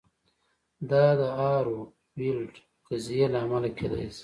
دا د هارو ویلډ قضیې له امله کیدای شي